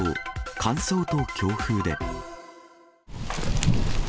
乾燥と強風で。